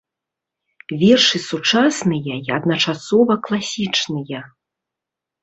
Вершы сучасныя і адначасова класічныя.